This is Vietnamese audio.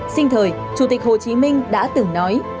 sinh thời chủ tịch hồ chí minh đã từng nói